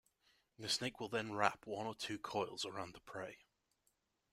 The snake will then wrap one or two coils around the prey.